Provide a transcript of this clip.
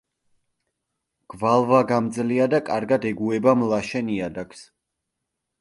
გვალვაგამძლეა და კარგად ეგუება მლაშე ნიადაგს.